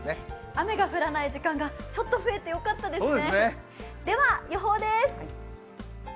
雨が降らない時間がちょっと増えてよかったですね。